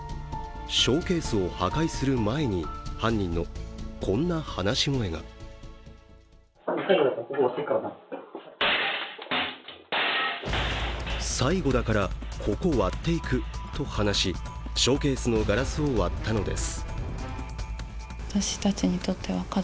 ショーケースを破壊する前に犯人のこんな話し声が最後だから、ここ割っていくと話しショーケースのガラスを割ったのです。